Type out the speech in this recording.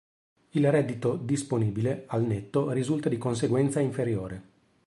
Il reddito "disponibile", al netto, risulta di conseguenza inferiore.